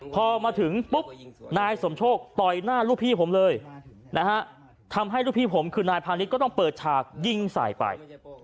พอมาถึงปุ๊บนายสมโชคต่อยหน้าลูกพี่ผมเลยทำให้ลูกพี่ผมคือนายพาณิชย์ก็ต้องเปิดฉากยิงใส่ไป